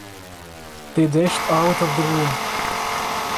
They dashed out of the room.